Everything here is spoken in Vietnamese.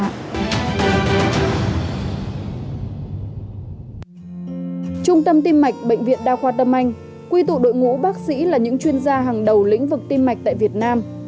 trung tâm tim mạch bệnh viện đa khoa tâm anh quy tụ đội ngũ bác sĩ là những chuyên gia hàng đầu lĩnh vực tim mạch tại việt nam